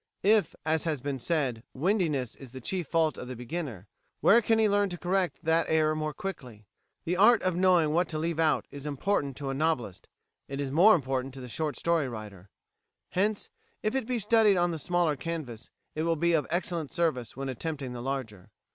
If, as has been said, "windiness" is the chief fault of the beginner, where can he learn to correct that error more quickly? The art of knowing what to leave out is important to a novelist; it is more important to the short story writer; hence, if it be studied on the smaller canvas, it will be of excellent service when attempting the larger.